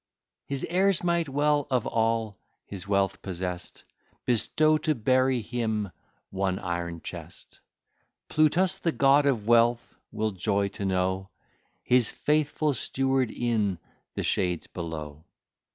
His heirs might well, of all his wealth possesst Bestow, to bury him, one iron chest. Plutus, the god of wealth, will joy to know His faithful steward in the shades below.